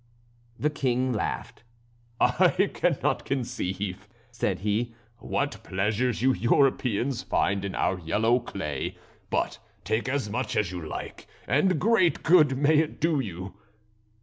The King laughed. "I cannot conceive," said he, "what pleasure you Europeans find in our yellow clay, but take as much as you like, and great good may it do you."